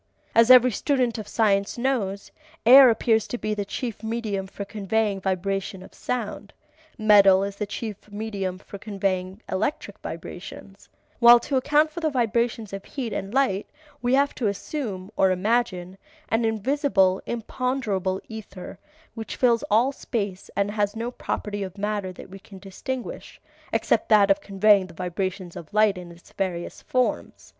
As every student of science knows, air appears to be the chief medium for conveying vibration of sound, metal is the chief medium for conveying electric vibrations, while to account for the vibrations of heat and light we have to assume (or imagine) an invisible, imponderable ether which fills all space and has no property of matter that we can distinguish except that of conveying vibrations of light in its various forms.